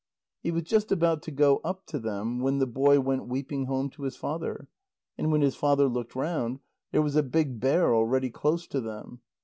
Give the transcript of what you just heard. He was just about to go up to them, when the boy went weeping home to his father, and when his father looked round, there was a big bear already close to them.